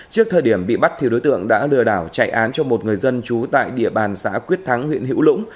trước thời điểm bị bắt thì đối tượng đã lừa đảo chạy án cho một người dân trú tại địa bàn xã quyết thắng huyện hữu lũng